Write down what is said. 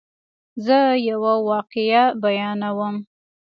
زه یوه واقعه بیانوم.